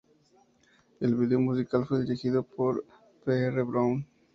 El video musical fue dirigido por P. R. Brown.